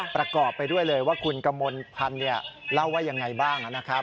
ประกอบไปด้วยเลยว่าคุณกมลพันธ์เล่าว่ายังไงบ้างนะครับ